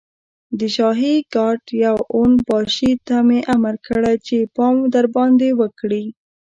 د شاهي ګارډ يوه اون باشي ته مې امر کړی چې پام درباندې وکړي.